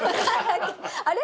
あれ？